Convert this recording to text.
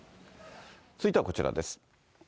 続いてはこちらです。